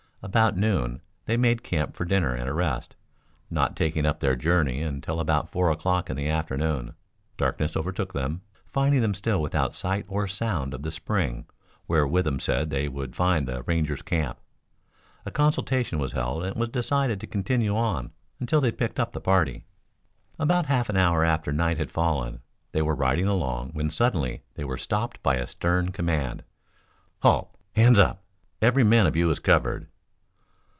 About noon they made camp for dinner and a rest, not taking up their journey until about four o'clock in the afternoon. Darkness overtook them, finding them still without sight or sound of the Spring where Withem said they would find the Rangers' camp. A consultation was held and it was decided to continue on until they picked up the party. About half an hour after night had fallen, they were riding along when suddenly they were stopped by a stern command. "Halt! Hands up! Every man of you is covered!"